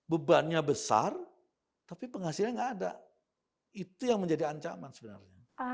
bebannya besar tapi penghasilan nggak ada itu yang menjadi ancaman sebenarnya